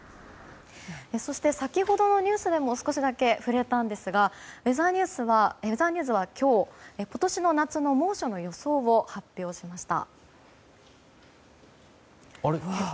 そして、先ほどのニュースでも少しだけ触れたんですがウェザーニューズは今日今年の夏の猛暑の予想を発表しました。